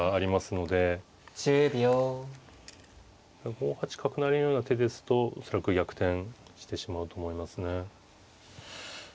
５八角成のような手ですと恐らく逆転してしまうと思いますね。